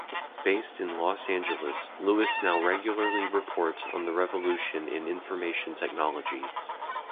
Based in Los Angeles, Lewis now regularly reports on the revolution in information technology.